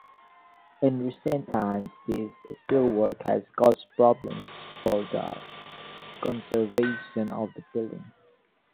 In recent times this steelwork has caused problems for the conservation of the building.